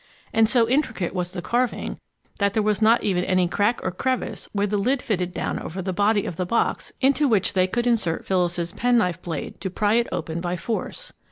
And so intricate was the carving, that there was not even any crack or crevice where the lid fitted down over the body of the box into which they could insert Phyllis's penknife blade to pry it open by force.